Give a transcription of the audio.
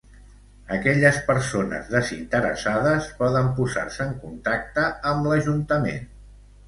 Aquelles persones desinteressades poden posar-se en contacte amb l'Ajuntament.